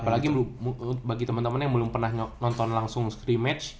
apalagi bagi temen temen yang belum pernah nonton langsung scrimmage